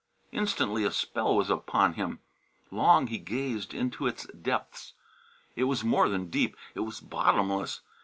Instantly a spell was upon him; long he gazed into its depths. It was more than deep; it was bottomless.